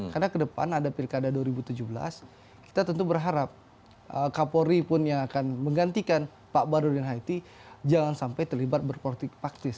karena ke depan ada pilkada dua ribu tujuh belas kita tentu berharap kapolri pun yang akan menggantikan pak badrodin haiti jangan sampai terlibat berpraktis